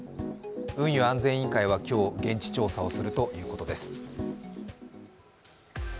運輸安全委員会は今日、現地調査をするということです。